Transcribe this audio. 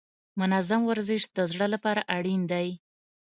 منظم ورزش د زړه لپاره اړین دی.